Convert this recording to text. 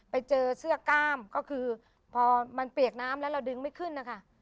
ไปเจอเสื้อกล้ามก็คือพอมันเปียกน้ำแล้วเราดึงไม่ขึ้นนะคะ